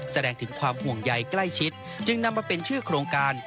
แสดงถึงความห่วงใยใกล้ชิดจึงนำมาเป็นชื่อโครงการ